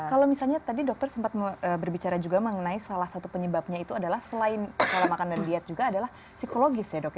kalau misalnya tadi dokter sempat berbicara juga mengenai salah satu penyebabnya itu adalah selain pola makan dan diet juga adalah psikologis ya dok ya